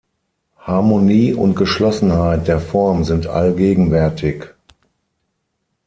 Harmonie und Geschlossenheit der Form sind allgegenwärtig.